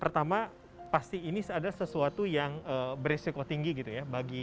pertama pasti ini adalah sesuatu yang beresiko tinggi gitu ya